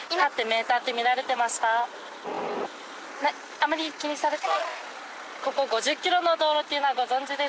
あまり気にされて。